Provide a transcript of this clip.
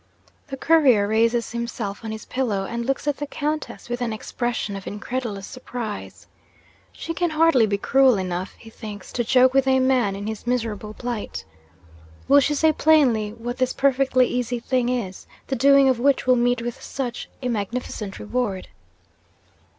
'The Courier raises himself on his pillow, and looks at the Countess with an expression of incredulous surprise. She can hardly be cruel enough (he thinks) to joke with a man in his miserable plight. Will she say plainly what this perfectly easy thing is, the doing of which will meet with such a magnificent reward?